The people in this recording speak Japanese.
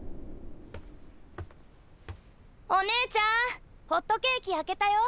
お姉ちゃんホットケーキ焼けたよ。